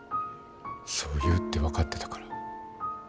そう言うって分かってたから。